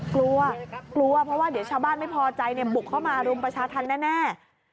กลัวกลัวเพราะว่าเดี๋ยวชาวบ้านไม่พอใจบุกเข้ามารุมประชาธรรมแน่